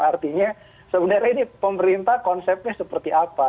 artinya sebenarnya ini pemerintah konsepnya seperti apa